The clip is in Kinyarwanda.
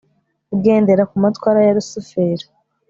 ugendera ku matwara ya lusiferi